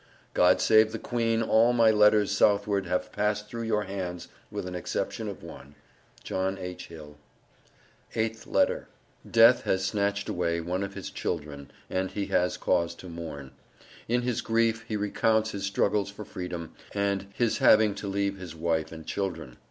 God Save the Queen. All my letters Southward have passed through your hands with an exception of one. JOHN H. HILL. EIGHTH LETTER. _Death has snatched away one of his children and he has cause to mourn. In his grief he recounts his struggles for freedom, and his having to leave his wife and children.